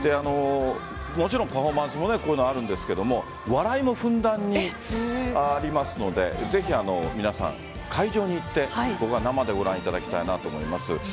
もちろんパフォーマンスもこういうのがあるんですけど笑いもふんだんにありますのでぜひ皆さん、会場に行って生でご覧いただきたいなと思います。